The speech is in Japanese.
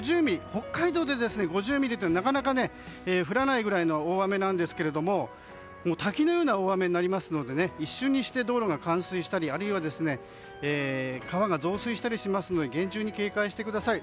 北海道で５０ミリというのはなかなか降らないぐらいの大雨なんですけども滝のような大雨になりますので一瞬にして道路が冠水したりあるいは川が増水したりしますので厳重に警戒してください。